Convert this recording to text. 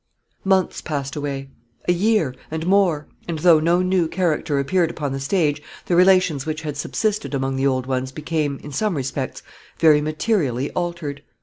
Months passed away a year, and more and though no new character appeared upon the stage, the relations which had subsisted among the old ones became, in some respects, very materially altered.